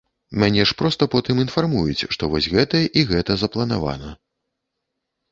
Мяне ж проста потым інфармуюць, што вось гэта і гэта запланавана.